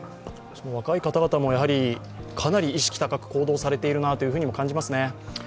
若い方々も、かなり意識高く行動されているなとも感じますね。